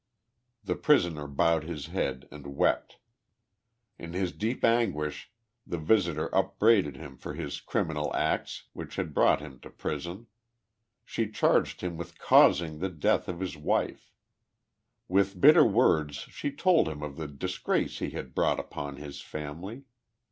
The prisoner bowed his head and wept. In his deep anguish the visitor upbraided him for his criminal acts, which had brought him to prison. She charged him with causing the death of his wife. With bitter words she told him of the disgrace he had brought upon his family.